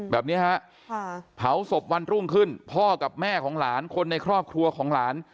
แบบนี้ฮะเผาศพวันรุ่งขึ้นพ่อกับแม่ของหลานคนในครอบครัวของหลาน